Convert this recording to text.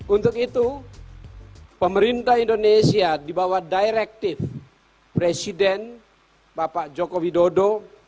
untuk itu pemerintah indonesia di bawah direktif presiden bapak joko widodo